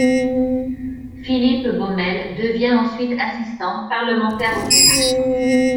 Philippe Baumel devient ensuite assistant parlementaire au Sénat.